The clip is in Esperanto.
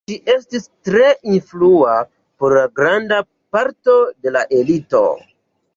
Ŝi estis tre influa por granda parto de la elito.